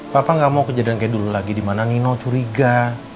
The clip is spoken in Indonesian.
papa nggak mau kejadian kayak dulu lagi di mana nino curiga